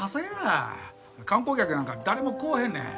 観光客なんか誰も来おへんねん。